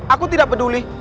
aku tidak peduli